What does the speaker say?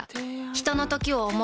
ひとのときを、想う。